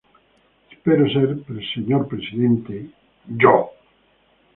Espero ser, señor presidente, yo.